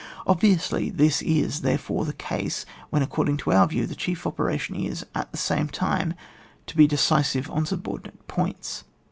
Obviously this is, therefore, the case when, according to our view, the chief operation is, at the same time, to be decisive on subordinate points.